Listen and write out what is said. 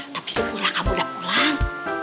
tapi semula kamu udah pulang